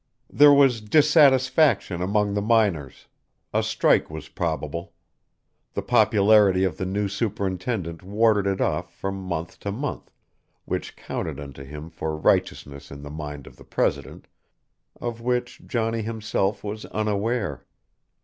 There was dissatisfaction among the miners; a strike was probable; the popularity of the new superintendent warded it off from month to month, which counted unto him for righteousness in the mind of the president, of which Johnny himself was unaware.